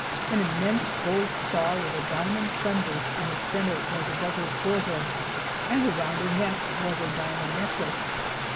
An immense gold star with a diamond sunburst in the center was above her forehead, and around her neck was a diamond necklace.